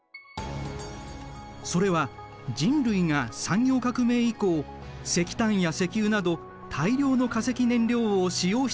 それは人類が産業革命以降石炭や石油など大量の化石燃料を使用し続けたためだ。